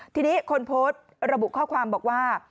ทีนี้คนโพสต์ระบุข้อความบอกว่า